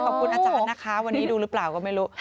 ขอบคุณอาจารย์นะคะวันนี้ดูหรือเปล่าก็ไม่รู้